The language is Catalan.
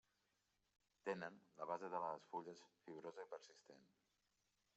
Tenen la base de les fulles fibrosa i persistent.